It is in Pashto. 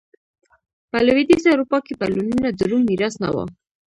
په لوېدیځه اروپا کې بدلونونه د روم میراث نه و.